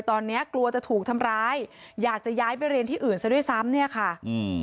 ตอนนี้กลัวจะถูกทำร้ายอยากจะย้ายไปเรียนที่อื่นซะด้วยซ้ำเนี่ยค่ะอืม